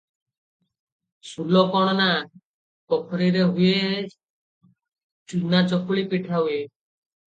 ସୁଲ କ’ଣ ନା, ପୋଖରୀରେ ହୁଏ, ଚୁନା ଚକୁଳି ପିଠା ହୁଏ ।